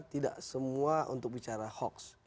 tidak semua untuk bicara hoax